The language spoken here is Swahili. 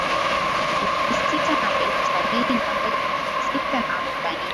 laki sita na elfu sabini na moja na mia sita na arobaini